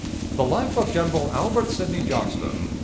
." ("The Life of Gen. Albert Sidney Johnston," p.